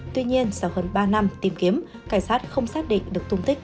tuy nhiên sau hơn ba năm tìm kiếm cảnh sát không xác định được tung tích